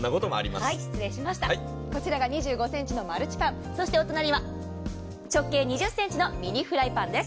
こちらが２５ｃｍのマルチパン、お隣は直径２０ｃｍのミニフライパンです。